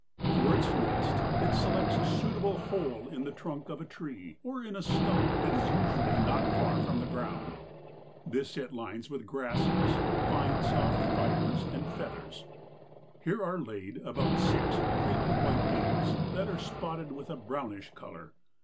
For its nest it selects a suitable hole in the trunk of a tree, or in a stump, that is usually not far from the ground. This it lines with grasses, fine, soft fibers and feathers. Here are laid about six creamy white eggs that are spotted with a brownish color.